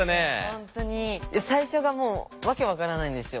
本当に最初がもう訳分からないんですよ。